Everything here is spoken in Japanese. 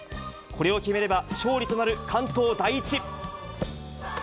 これを決めれば勝利となる関東第一。